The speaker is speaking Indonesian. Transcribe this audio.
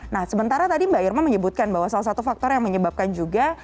nah sementara tadi mbak irma menyebutkan bahwa salah satu faktor yang menyebabkan juga